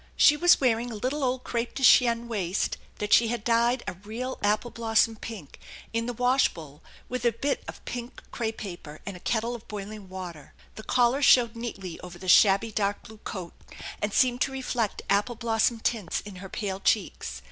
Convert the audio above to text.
She was wearing a little old crepe de chine waist that she had dyed a real apple blossom pink in the wash bowl with a bit of pink crepe paper and a kettle of boiling water. The collar showed neatly over the shabby dark blue coat, and seemed to reflect apple blossom tints in her pale cheeks.